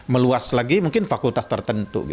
meluas lagi mungkin fakultas tertentu